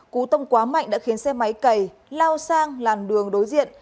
cú tông quá mạnh đã khiến xe máy cầy lao sang làn đường đối diện